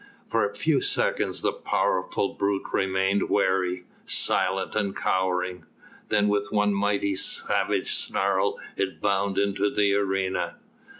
For a few seconds the powerful brute remained wary, silent and cowering, then with one mighty, savage snarl it bounded into the arena.